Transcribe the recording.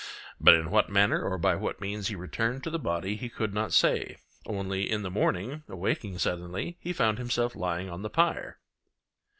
But in what manner or by what means he returned to the body he could not say; only, in the morning, awaking suddenly, he found himself lying on the pyre.